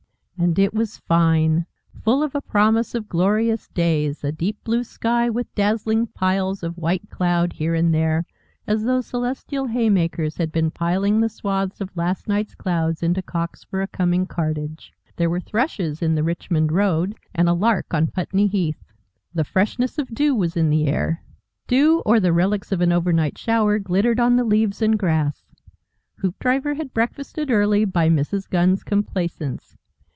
And it was fine, full of a promise of glorious days, a deep blue sky with dazzling piles of white cloud here and there, as though celestial haymakers had been piling the swathes of last night's clouds into cocks for a coming cartage. There were thrushes in the Richmond Road, and a lark on Putney Heath. The freshness of dew was in the air; dew or the relics of an overnight shower glittered on the leaves and grass. Hoopdriver had breakfasted early by Mrs. Gunn's complaisance.